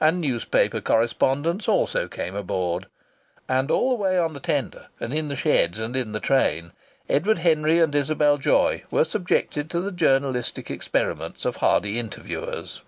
And newspaper correspondents also came aboard, and all the way on the tender, and in the sheds, and in the train, Edward Henry and Isabel Joy were subjected to the journalistic experiments of hardy interviewers.